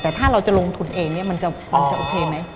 แต่ถ้าเราจะลงทุนเองเนี่ยมันจะโอเคไหม